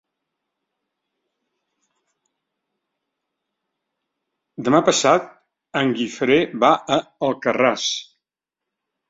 Demà passat en Guifré va a Alcarràs.